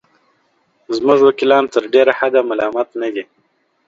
زموږ وکیلان تر ډېره حده ملامت نه دي.